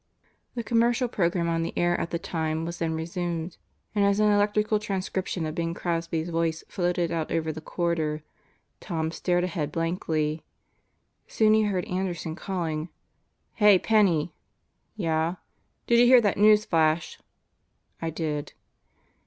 The commercial program on the air at the time was then resumed and as an electrical transcription of Bing Crosby's voice floated out over the corridor, Tom stared ahead blankly. Soon he heard Anderson calling. "Hey, Penney!" "Yeah?" "Did you hear that news flash?" "I did."